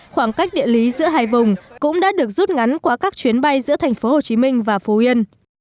khoảng cách địa lý giữa hai vùng cũng đã được rút ngắn qua các chuyến bay giữa thành phố hồ chí minh và phú yên